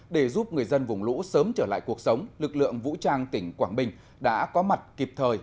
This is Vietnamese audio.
để giúp người dân vùng lũ sớm trở lại cuộc sống lực lượng vũ trang tỉnh quảng bình đã có mặt kịp thời